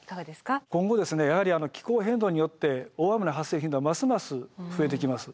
今後やはり気候変動によって大雨の発生頻度はますます増えてきます。